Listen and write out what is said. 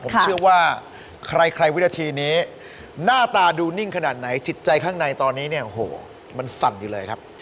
ผมเชื่อว่าใครวินาทีนี้หน้าตาดูนิ่งขนาดไหนจิตใจข้างในตอนนี้เนี่ยโอ้โหมันสั่นอยู่เลยครับ